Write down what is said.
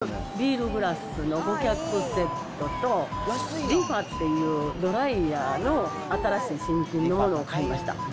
うすはりビールグラスの５脚セットと、リファっていうドライヤーの新しい新品のものを買いました。